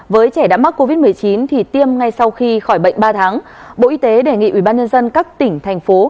với trẻ đã mắc covid một mươi chín thì tiêm ngay sau khi khỏi bệnh ba tháng